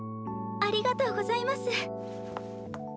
ありがとうございます。